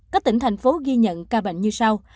các tỉnh thành phố ghi nhận ca bệnh như sau